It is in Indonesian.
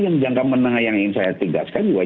yang jangka menengah yang ingin saya tegaskan juga